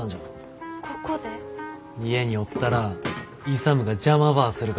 家におったら勇が邪魔ばあするから。